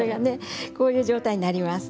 こういう状態になります。